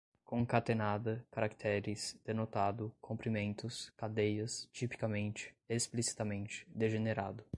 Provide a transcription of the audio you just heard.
concatenada, caracteres, denotado, comprimentos, cadeias, tipicamente, explicitamente, degenerado